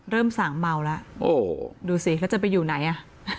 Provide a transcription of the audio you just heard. สั่งเมาแล้วโอ้โหดูสิแล้วจะไปอยู่ไหนอ่ะ